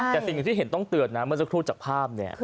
แต่สิ่งหนึ่งที่เห็นต้องเตือนนะเมื่อสักครู่จากภาพเนี่ย